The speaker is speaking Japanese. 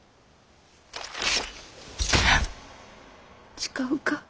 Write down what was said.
誓うか？